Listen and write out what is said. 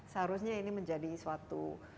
seharusnya ini menjadi suatu